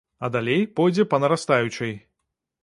А далей пойдзе па нарастаючай.